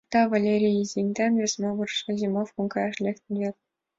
Да, Валерий Изеҥер вес могырысо зимовкыш каяш лектын вет.